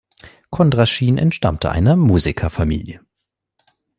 Kondraschin entstammte einer Musikerfamilie.